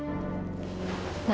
kamu mau kerja candi